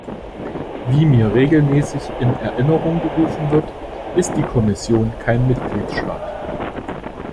Wie mir regelmäßig in Erinnerung gerufen wird, ist die Kommission kein Mitgliedstaat.